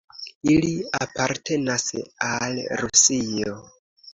Ili apartenas al Rusio.